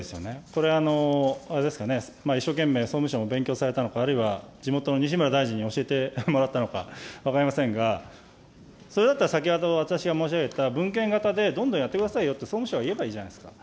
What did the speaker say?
これ、あれですかね、一生懸命総務省も勉強されたのか、あるいは地元の西村大臣に教えてもらったのか分かりませんが、それだったら、先ほど私が申し上げた分権型でどんどんやってくださいよって、総務省が言えばいいじゃないですか。